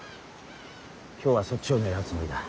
今日はそっちを狙うつもりだ。